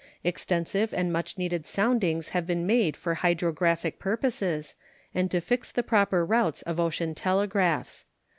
Extensive and much needed soundings have been made for hydrographic purposes and to fix the proper routes of ocean telegraphs.